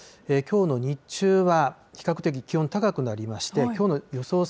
きょうの日中は比較的気温、高くなりまして、きょうの予想